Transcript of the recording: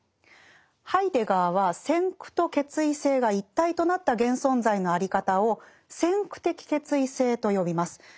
ハイデガーは先駆と決意性が一体となった現存在のあり方を「先駆的決意性」と呼びます。